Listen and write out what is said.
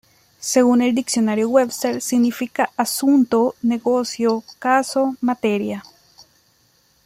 Según el Diccionario Webster significa asunto, negocio, caso, materia.